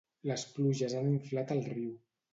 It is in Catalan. Les pluges han inflat el riu.